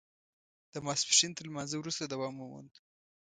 د ماسپښین تر لمانځه وروسته دوام وموند.